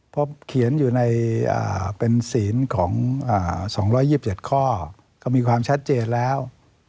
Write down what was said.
เพราะเขียนอยู่ในเป็นศีลของ๒๒๗ข้อก็มีความชัดเจนแล้ว